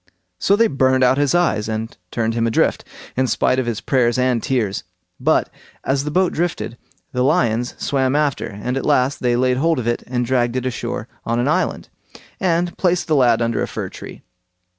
So they burned out his eyes and turned him adrift, in spite of his prayers and tears; but, as the boat drifted, the lions swam after, and at last they laid hold of it and dragged it ashore on an island, and placed the lad under a fir tree.